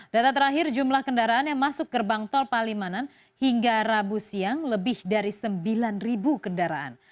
data terakhir jumlah kendaraan yang masuk gerbang tol palimanan hingga rabu siang lebih dari sembilan kendaraan